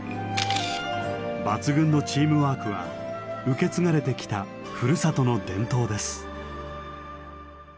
抜群のチームワークは受け継がれてきたふるさとの伝統です。